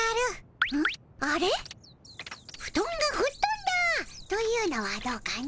「フトンがふっとんだ」というのはどうかの？